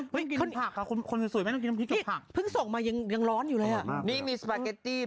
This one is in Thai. ผักอ่ะคุณคนสวยไม่ต้องกินพักพส่งมาหยิงยังร้อนอยู่แล้วนี่มีสปาเก็ตตี้